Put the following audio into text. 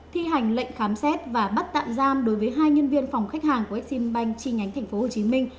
thi hành lệnh khám xét và bắt tạm giam đối với hai nhân viên phòng khách hàng của exim bank chi nhánh tp hcm